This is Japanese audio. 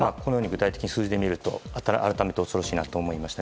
具体的に数字で見ると改めて恐ろしいなと思いました。